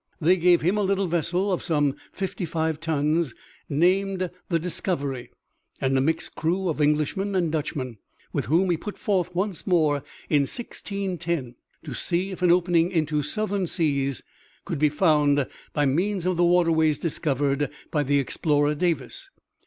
They gave him a little vessel of some fifty five tons named the Discovery and a mixed crew of Englishmen and Dutchmen, with whom he put forth once more in 1610 to see if an opening into southern seas could be found by means of the waterways discovered by the explorer, Davis.